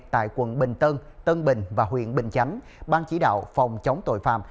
tại quận bình tân tân bình và huyện bình chánh ban chỉ đạo phòng chống tội phạm